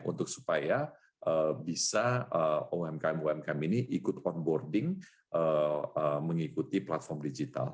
untuk supaya bisa umkm umkm ini ikut onboarding mengikuti platform digital